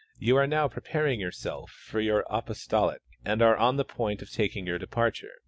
You are now preparing yourself for your apostolate and are on the point of taking your departure.